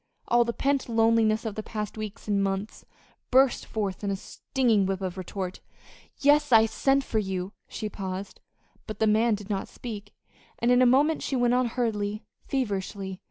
All the pent loneliness of the past weeks and months burst forth in a stinging whip of retort. "Yes, I sent for you." She paused, but the man did not speak, and in a moment she went on hurriedly, feverishly.